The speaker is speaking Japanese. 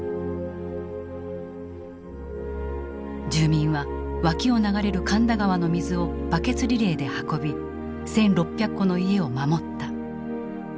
住民は脇を流れる神田川の水をバケツリレーで運び１，６００戸の家を守った。